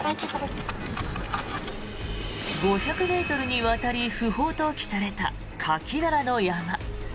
５００ｍにわたり不法投棄されたカキ殻の山。